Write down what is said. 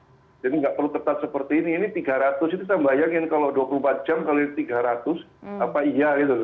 jadi tidak perlu kertas seperti ini ini tiga ratus ini saya bayangkan kalau dua puluh empat jam kalau ini tiga ratus apa iya gitu